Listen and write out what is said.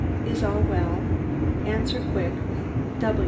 Is all well? Answer quick.